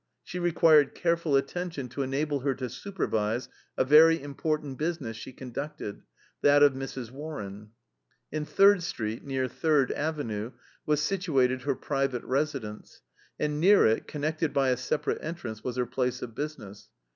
She required careful attention to enable her to supervise a very important business she conducted, that of Mrs. Warren. In Third Street, near Third Avenue, was situated her private residence, and near it, connected by a separate entrance, was her place of business.